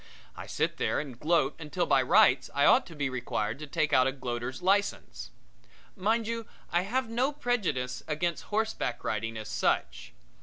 I sit there and gloat until by rights I ought to be required to take out a gloater's license. Mind you, I have no prejudice against horseback riding as such.